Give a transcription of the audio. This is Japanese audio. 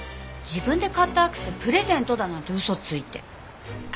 自分で買ったアクセプレゼントだなんて嘘ついて。